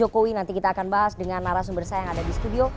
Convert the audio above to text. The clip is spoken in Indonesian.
jokowi nanti kita akan bahas dengan narasumber saya yang ada di studio